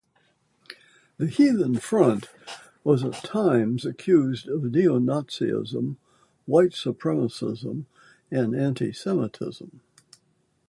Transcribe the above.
The Heathen Front was at times accused of neo-Nazism, white supremacism and anti-semitism.